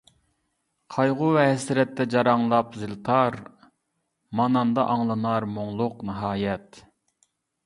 قايغۇ ۋە ھەسرەتتە جاراڭلاپ زىلتار، ماناندا ئاڭلىنار مۇڭلۇق ناھايەت.